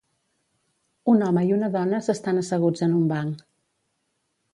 Un home i una dona s'estan asseguts en un banc.